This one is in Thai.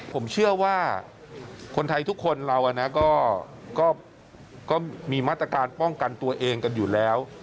ผมเชื่อว่าคนไทยทุกคนเราก็มีมาตรการป้องกันตัวเองกันอยู่แล้ว